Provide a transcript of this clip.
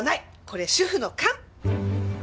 これ主婦の勘！